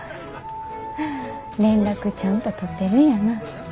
連絡ちゃんと取ってるんやなぁ。